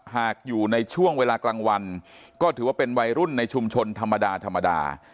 หากอยู่ในช่วงเวลากลางวันก็ถือว่าเป็นวัยรุ่นในชุมชนธรรมดาธรรมดา